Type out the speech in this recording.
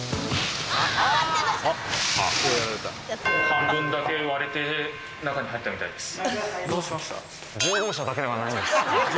半分だけ割れて中に入ったみたいです。